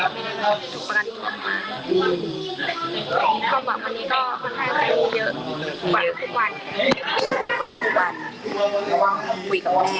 อยากให้สังคมรับรู้ด้วย